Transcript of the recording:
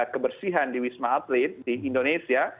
kebersihan di wisma atlet di indonesia